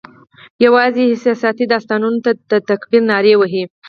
یوازي احساساتي داستانونو ته د تکبیر نارې وهي